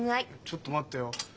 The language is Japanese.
ちょっと待ってよ。